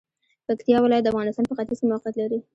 پکتیا ولایت د افغانستان په ختیځ کې موقعیت لري.